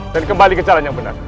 dan kembali ke caranya yang benar